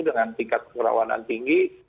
dengan tingkat penyerawanan tinggi